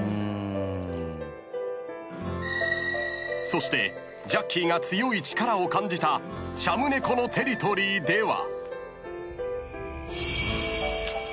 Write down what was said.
［そしてジャッキーが強い力を感じたシャム猫のテリトリーでは］